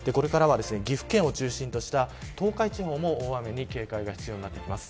岐阜県を中心とした東海地方も大雨に警戒が必要になります。